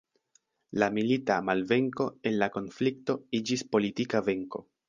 La milita malvenko en la konflikto iĝis politika venko.